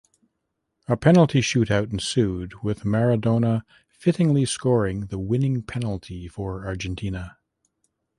A penalty shoot out ensued with Maradona fittingly scoring the winning penalty for Argentina.